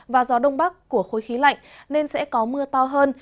và gió đông bắc của khối khí lạnh nên sẽ có mưa to hơn